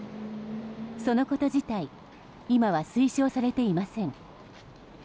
そのこと自体今は推奨されていません。